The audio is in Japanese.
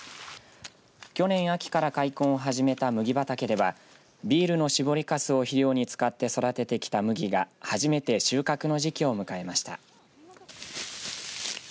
去年秋から開墾を始めた麦畑ではビールの搾りかすを肥料に使って育ててきた麦が初めて収穫の時期を迎えました。